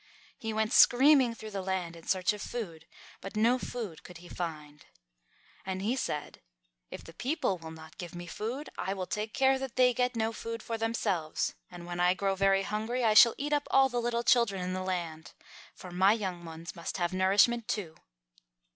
He went screaming through the land in search of food, but no food could he find. And he said, "If the people will not give me food, I will take care that they get no food for themselves, and when I grow very hungry I shall eat up all the little children in the land. For my young ones must have nourishment too."